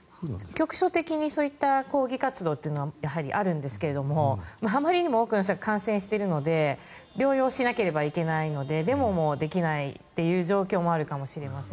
局所的にそういった抗議活動というのはあるんですがあまりにも多くの人が感染しているので療養しなければいけないのでデモもできないという状況もあるかもしれません。